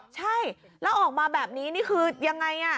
ใช่แล้วออกมาแบบนี้นี่คือยังไง